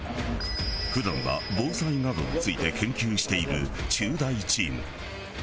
普段は防災などについて研究している中大チーム。